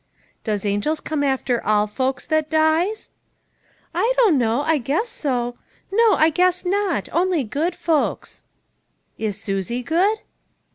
" Does angels come after all folks that dies ?"" I dunno ; I guess so ; no, I guess not. Only good folks " "Is Susie good?"